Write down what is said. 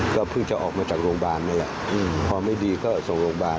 ก็เพิ่งจะออกมาจากโรงพยาบาลนั่นแหละพอไม่ดีก็ส่งโรงพยาบาล